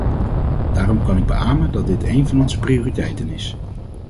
Daarom kan ik beamen dat dit een van onze prioriteiten is.